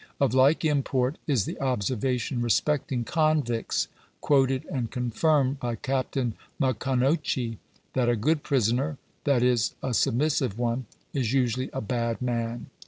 Of like import is the observation respecting convicts, quoted and confirmed by Captain Maconochie, that " a good prisoner (i . e. a submissive one) is usually a bad man."